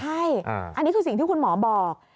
ใช่อันนี้คือสิ่งที่คุณหมอบอก